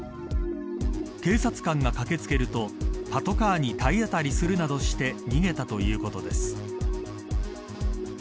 警察官が駆けつけるとパトカーに体当たりするなどして逃げたということです。